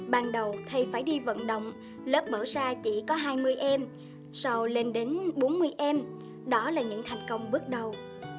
ban đầu thầy phải đi vận động lớp mở ra chỉ có hai mươi em sau lên đến bốn mươi em đó là những thành công bước đầu